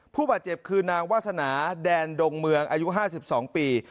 ผู้บาดเจ็บคือนางวาสนาแดนดงเมืองอายุ๕๒ปี